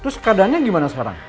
terus keadaannya gimana sekarang